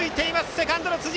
セカンドの辻！